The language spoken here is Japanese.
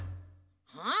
はあ？